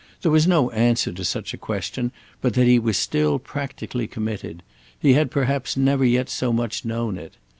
There was no answer to such a question but that he was still practically committed—he had perhaps never yet so much known it.